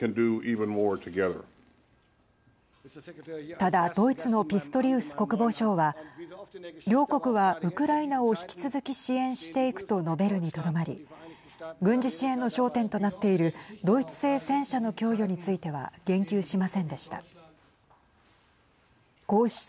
ただ、ドイツのピストリウス国防相は両国は、ウクライナを引き続き支援していくと述べるにとどまり軍事支援の焦点となっているドイツ製戦車の供与については言及しませんでした。